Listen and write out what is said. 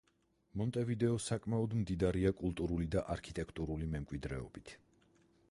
მონტევიდეო საკმაოდ მდიდარია კულტურული და არქიტექტურული მემკვიდრეობით.